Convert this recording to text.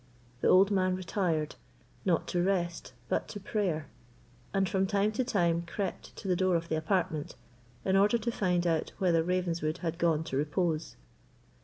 The old man retired, not to rest, but to prayer; and from time to time crept to the door of the apartment, in order to find out whether Ravenswood had gone to repose.